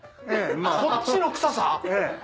こっちの臭さ？